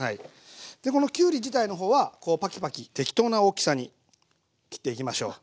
でこのきゅうり自体の方はこうパキパキ適当な大きさに切っていきましょう。